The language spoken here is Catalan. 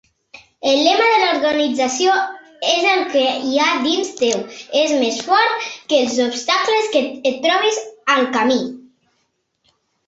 El lema de l'organització és El que hi ha dins teu és més fort que els obstacles que et trobis al camí.